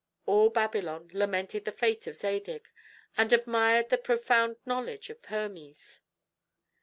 All Babylon lamented the fate of Zadig, and admired the profound knowledge of Hermes.